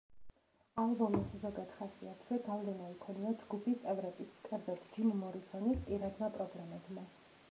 ალბომის ზოგად ხასიათზე გავლენა იქონია ჯგუფის წევრების, კერძოდ, ჯიმ მორისონის პირადმა პრობლემებმა.